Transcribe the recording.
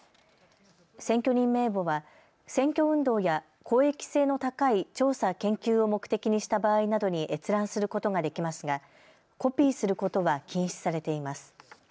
選挙人名簿は選挙運動や公益性の高い調査・研究を目的にした場合などに閲覧することができますが、コピーすることは禁止されています。